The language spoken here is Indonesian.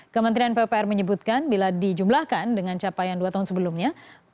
kementerian pupr menyebutkan bila dijumlahkan dengan capaian dua tahun sebelumnya